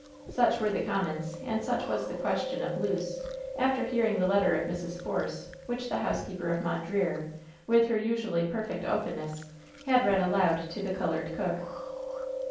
Such were the comments and such was the question of Luce, after hearing the letter of Mrs. Force which the housekeeper of Mondreer, with her usually perfect open ness, had read aloud to the colored cook.